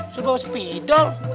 sudah bawa sepidol